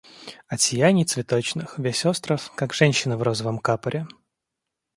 От сияний цветочных весь остров, как женщина в розовом капоре.